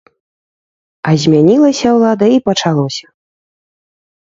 А змянілася ўлада і пачалося!